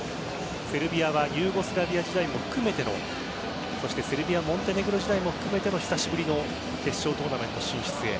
セルビアはユーゴスラビア時代も含めてのそしてセルビア・モンテネグロ時代も含めての久しぶりの決勝トーナメント進出へ。